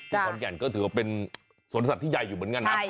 ขอนแก่นก็ถือว่าเป็นสวนสัตว์ที่ใหญ่อยู่เหมือนกันนะ